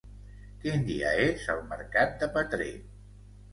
Quin dia és el mercat de Petrer?